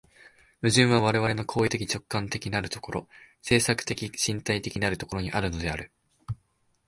矛盾は我々の行為的直観的なる所、制作的身体的なる所にあるのである。